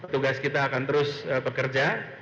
tugas kita akan terus bekerja